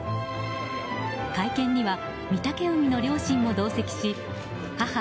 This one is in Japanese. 会見には御嶽海の両親も出席し母